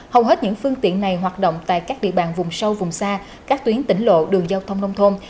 hầu hết những phương tiện này hoạt động tại các địa bàn vùng sâu vùng xa các tuyến tỉnh lộ đường giao thông nông thôn